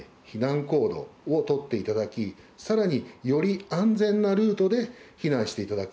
避難行動を取っていただきさらにより安全なルートで避難していただく。